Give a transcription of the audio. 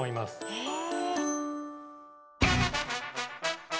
へえ。